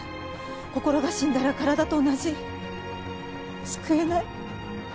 心が死んだら体と同じ救えない。